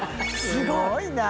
すごいな。